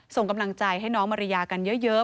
ส่งกำลังใจให้น้องมาริยากันเยอะ